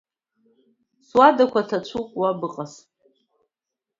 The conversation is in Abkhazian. Суадақәа ҭацәуп, уа быҟаз!